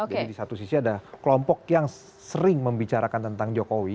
jadi di satu sisi ada kelompok yang sering membicarakan tentang jokowi